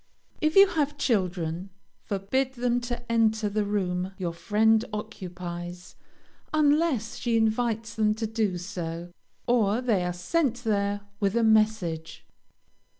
If you have children, forbid them to enter the room your friend occupies, unless she invites them to do so, or they are sent there with a message.